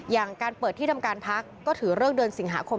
อย่างการเปิดที่ทำการพักก็ถือเลิกเดือนสิงหาคม